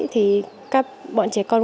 thì các bọn trẻ con